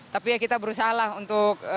tapi ya kita berusaha lah untuk